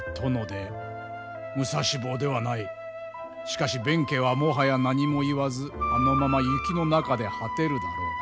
しかし弁慶はもはや何も言わずあのまま雪の中で果てるだろう。